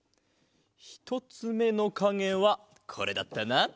ひとつめのかげはこれだったな。